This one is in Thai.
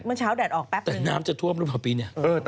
เมื่อเช้าแดดออกแป๊บนึงแต่น้ำจะทวบเมื่อเผาปีเนี่ย